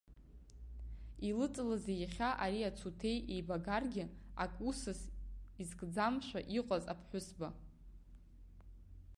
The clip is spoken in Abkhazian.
Илыҵалазеи иахьа, ари ацуҭеи еибагаргьы ак усыс изкӡамшәа иҟаз аԥҳәызба?